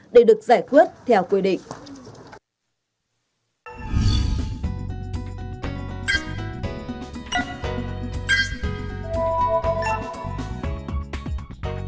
để được giải quyết theo quy định